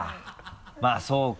まぁそうか。